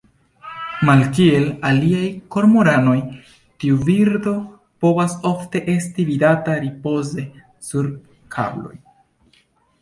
Malkiel aliaj kormoranoj, tiu birdo povas ofte esti vidata ripoze sur kabloj.